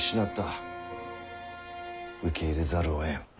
受け入れざるをえん。